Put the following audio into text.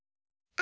あ。